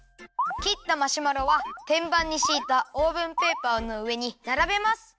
きったマシュマロはてんばんにしいたオーブンペーパーのうえにならべます。